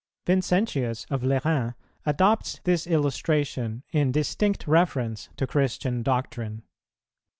Vincentius of Lerins adopts this illustration in distinct reference to Christian doctrine.